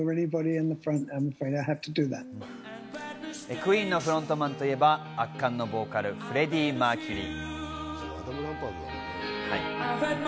ＱＵＥＥＮのフロントマンといえば、圧巻のボーカル、フレディ・マーキュリー。